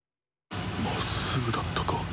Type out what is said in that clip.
まっすぐだったか？